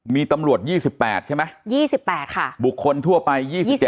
มีตำรวจ๒๘ใช่ไหม๒๘ค่ะบุคคลทั่วไป๒๗